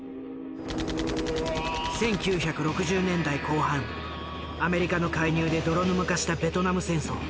１９６０年代後半アメリカの介入で泥沼化したベトナム戦争。